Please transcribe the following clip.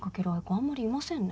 あんまりいませんね。